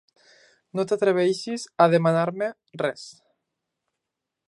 No t'atreveixis a demanar-me res!